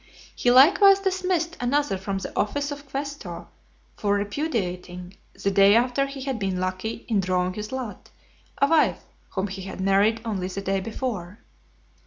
He likewise dismissed another from the office of quaestor, for repudiating, the day after he had been lucky in drawing his lot, a wife whom he had married only the day before.